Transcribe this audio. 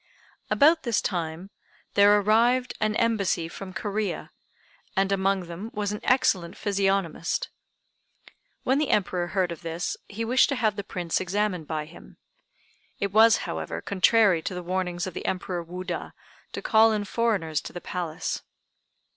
About this time there arrived an embassy from Corea, and among them was an excellent physiognomist. When the Emperor heard of this, he wished to have the Prince examined by him. It was, however, contrary to the warnings of the Emperor Wuda, to call in foreigners to the Palace.